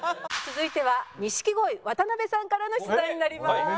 続いては錦鯉渡辺さんからの出題になります。